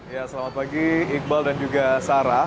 ya selamat pagi iqbal dan juga sarah